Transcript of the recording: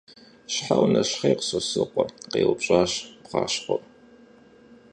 – Щхьэ унэщхъей, Сосрыкъуэ? – къеупщӀащ бгъащхъуэр.